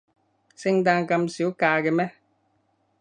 聖誕咁少假嘅咩？